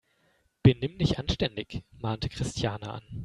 Benimm dich anständig!, mahnte Christiane an.